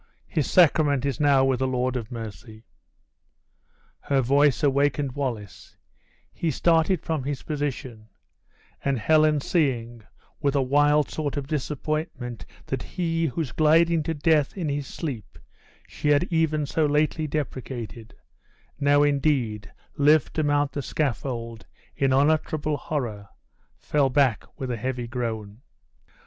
his sacrament is now with the Lord of Mercy!" Her voice awakened Wallace; he started from his position; and Helen seeing, with a wild sort of disappointment that he, whose gliding to death in his sleep she had even so lately deprecated, now, indeed, lived to mount the scaffold, in unutterable horror, fell back with a heavy groan.